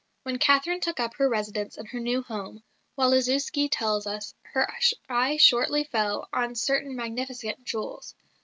When Catherine took up her residence in her new home, Waliszewski tells us, "her eye shortly fell on certain magnificent jewels.